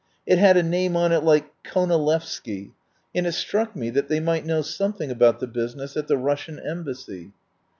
It had a name on it like Konalevsky, and it struck me that they might know something about the business at the Russian Embassy.